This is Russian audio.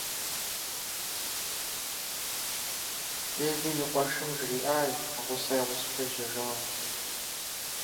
Левин сообщил брату, что жена его приехала с ним.